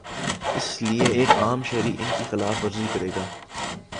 اس لیے اگر ایک عام شہری ان کی خلاف ورزی کرے گا۔